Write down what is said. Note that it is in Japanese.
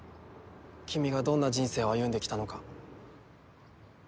君がどんな人生を歩んできたのか。